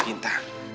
kamu bicara sama aku